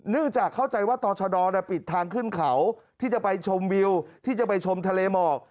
จากเข้าใจว่าต่อชะดอปิดทางขึ้นเขาที่จะไปชมวิวที่จะไปชมทะเลหมอก